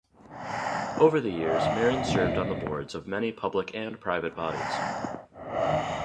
Over the years, Marren served on the boards of many public and private bodies.